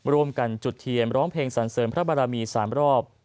จุดเทียนร้องเพลงสรรเสริมพระบารมี๓รอบ